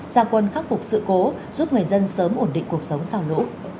gia quân khắc phục sự cố giúp người dân sớm ổn định cuộc sống sau lũ